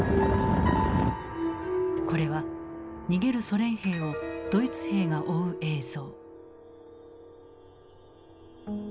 これは逃げるソ連兵をドイツ兵が追う映像。